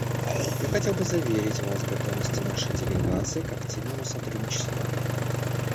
Я хотел бы заверить Вас в готовности нашей делегации к активному сотрудничеству.